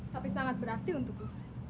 tapi sangat berarti untukku